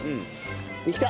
できた。